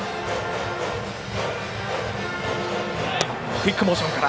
クイックモーションから。